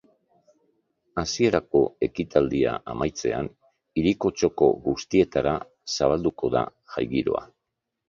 Hasierako ekitaldia amaitzean, hiriko txoko guztietara zabalduko da jai-giroa.